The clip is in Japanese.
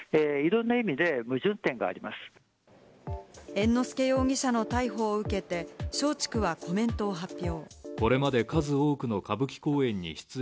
猿之助容疑者の逮捕を受けて、松竹はコメントを発表。